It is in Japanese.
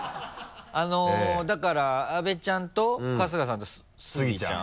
だから阿部ちゃんと春日さんとスギちゃん。